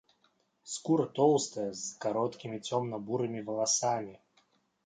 Скура тоўстая, з кароткімі цёмна-бурымі валасамі.